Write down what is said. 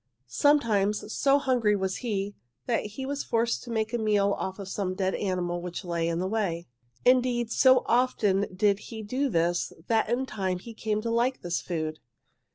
Sometimes, so hungry was he, that he was forced to make a meal off from some dead animal which lay in the way. Indeed so often did he do this that in time he came to like this food.